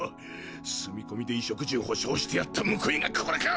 住み込みで衣食住保証してやった報いがこれか！